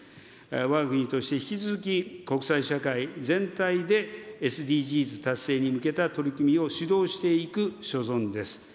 わが国として引き続き、国際社会全体でＳＤＧｓ達成に向けた取り組みを主導していく所存です。